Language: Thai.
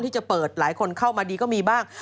ที่จะเปิดหลายคนเข้ามาดีก็มีบ้าง